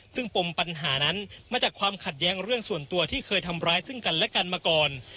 ซึ่งปมปัญหานั้นมาจากความขัดแย้งเรื่องส่วนตัวที่เคยทำร้ายซึ่งกันและกันมาก่อน